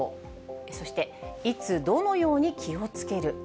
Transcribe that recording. そして、いつ、どのように気をつける？